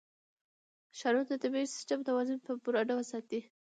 ښارونه د طبعي سیسټم توازن په پوره ډول ساتي.